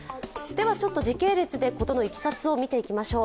時系列で事のいきさつを見ていきましょう。